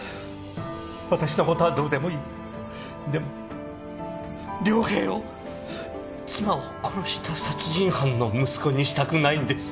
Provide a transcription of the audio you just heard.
私のことはどうでもいいでも亮平を妻を殺した殺人犯の息子にしたくないんです